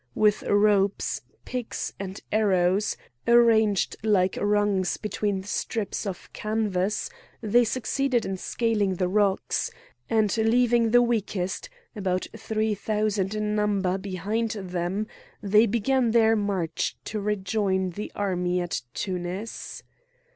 With ropes, picks, and arrows, arranged like rungs between strips of canvas, they succeeded in scaling the rocks; and leaving the weakest, about three thousand in number, behind them, they began their march to rejoin the army at Tunis.